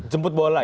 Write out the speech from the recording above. jemput bola ya